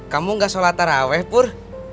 kamu gak sholat taraweh pur